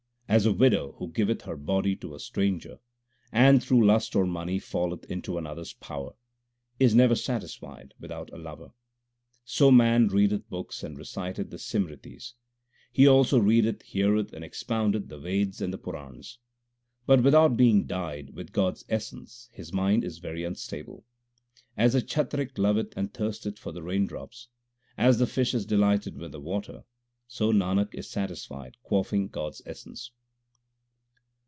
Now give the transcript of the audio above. As a widow, who giveth her body to a stranger, And through lust or money falleth into another s power, Is never satisfied without a lover ; So man readeth books and reciteth the Simritis ; He also readeth, heareth, and expoundeth the Veds and the Purans ; But without being dyed with God s essence his mind is very unstable. As the chatrik loveth and thirst eth for the rain drops, As the fish is delighted with the water, So Nanak is satisfied quaffing God s essence.